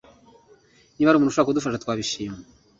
Niba hari umuntu ushobora kudufasha, twabishima.